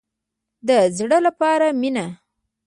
د زړه لپاره مینه.